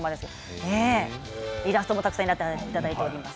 イラストもたくさんいただいています。